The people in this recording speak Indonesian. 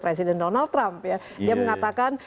presiden donald trump ya dia mengatakan